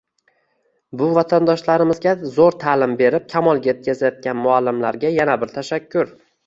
Bu vatandoshlarimizga zo‘r ta’lim berib kamolga yetkazayotgan muallimlarga yana bir tashakkur.